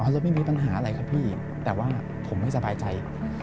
จะไม่มีปัญหาอะไรครับพี่แต่ว่าผมไม่สบายใจ